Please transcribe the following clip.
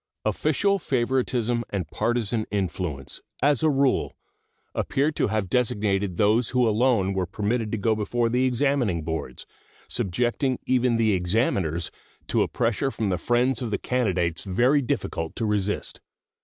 Official favoritism and partisan influence, as a rule, appear to have designated those who alone were permitted to go before the examining boards, subjecting even the examiners to a pressure from the friends of the candidates very difficult to resist.